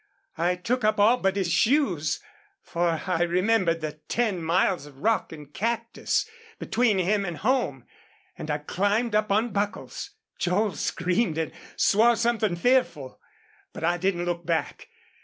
I took up all but his shoes, for I remembered the ten miles of rock and cactus between him and home, and I climbed up on Buckles. Joel screamed and swore something fearful. But I didn't look back.